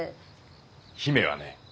姫はね